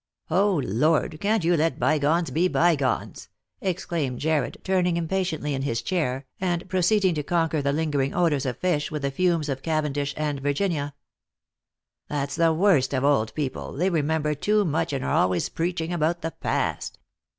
" O Lord, can't you let bygones be bygones?" exclaimed Jarred, turning impatiently in his chair, and proceeding to con quer the lingering odours of fish with the fumes of cavendish and Virginia. " That's the worst of old people, they remember too much, and are always preaching about the past.